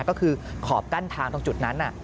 ก็คือขอบกั้นทางตรงจุดนั้น